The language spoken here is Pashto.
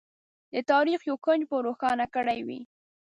د تاریخ یو کونج به روښانه کړی وي.